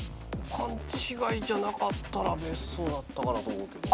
勘違いじゃなかったら別荘だったかなと思うけど。